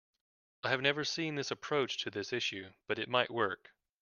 I have never seen this approach to this issue, but it might work.